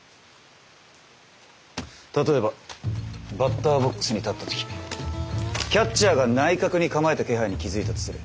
例えばバッターボックスに立った時キャッチャーが内角に構えた気配に気付いたとする。